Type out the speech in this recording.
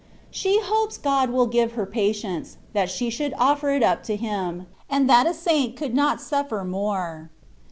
She hopes God will give her patience, that she should offer it up to Him, and that a saint could not suffer more.